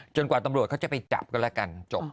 กว่าตำรวจเขาจะไปจับกันแล้วกันจบ